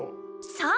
そう！